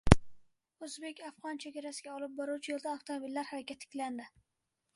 O‘zbek-afg‘on chegarasiga olib boruvchi yo‘lda avtomobillar harakati tiklandi